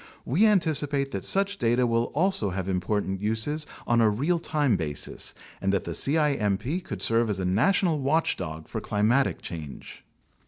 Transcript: We anticipate that such data will also have important uses on a real time basis and that the cimp could serve as a national watchdog for climatic change.